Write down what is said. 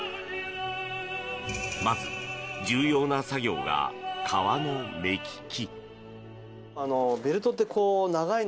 まず重要な作業が革の目利き。